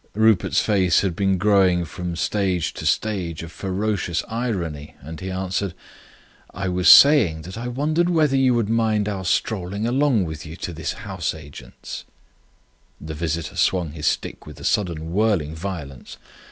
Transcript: Rupert's face had been growing from stage to stage of ferocious irony, and he answered: "I was saying that I wondered whether you would mind our strolling along with you to this house agent's." The visitor swung his stick with a sudden whirling violence.